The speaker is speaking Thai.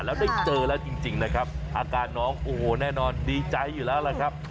แล้วได้เจอแล้วจริงนะครับอาการน้องโอ้โหแน่นอนดีใจอยู่แล้วล่ะครับ